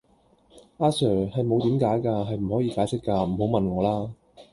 阿 sir, 係冇點解架,係唔可以解釋架,唔好問我啦!